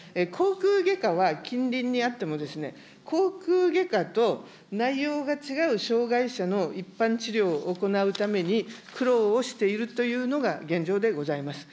口腔外科は近隣にあっても、口腔外科と内容が違う障害者の一般治療を行うために苦労をしているというのが現状でございます。